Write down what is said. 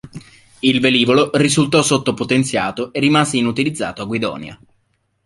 Il velivolo risultò sottopotenziato e rimase inutilizzato a Guidonia.